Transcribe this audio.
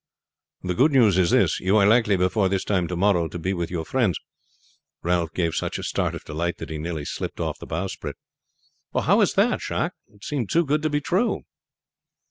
"The good news is this; you are likely, before this time to morrow, to be with your friends." Ralph gave such a start of delight that he nearly slipped off the bowsprit. "How is that Jacques? It seems too good to be true."